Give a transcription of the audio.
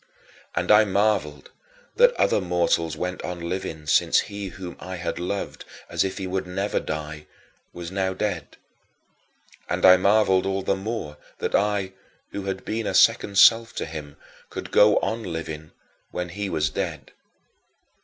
And I marveled that other mortals went on living since he whom I had loved as if he would never die was now dead. And I marveled all the more that I, who had been a second self to him, could go on living when he was dead.